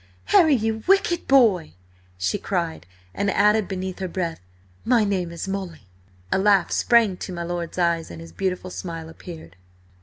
"Harry, you WICKED boy!" she cried, and added beneath her breath: "My name is Molly!" A laugh sprang to my lord's eyes and his beautiful smile appeared.